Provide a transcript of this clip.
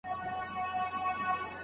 صالحه ميرمن د خاوند ارزښت او درناوی لري.